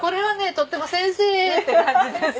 とっても「先生」って感じです。